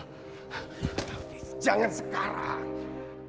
tapi jangan sekarang